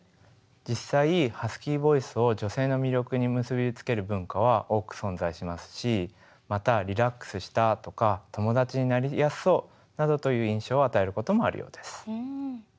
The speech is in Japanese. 実際ハスキーボイスを女性の魅力に結び付ける文化は多く存在しますしまたリラックスしたとか友達になりやすそうなどという印象を与えることもあるようです。